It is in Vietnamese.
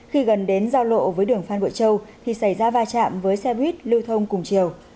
khi gần đến giao lộ với đường phan bội châu thì xảy ra va chạm với xe buýt lưu thông cùng chiều